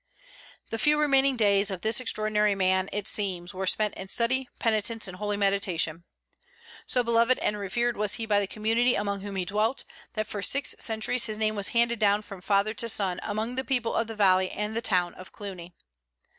The few remaining days of this extraordinary man, it seems, were spent in study, penitence, and holy meditation. So beloved and revered was he by the community among whom he dwelt, that for six centuries his name was handed down from father to son among the people of the valley and town of Cluny.